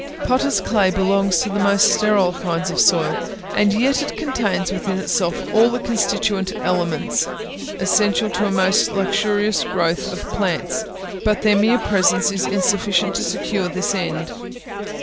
Potters' clay belongs to the most sterile kinds of soil, and yet it contains within itself all the constituent elements essential to a most luxurious growth of plants; but their mere presence is insufficient to secure this end.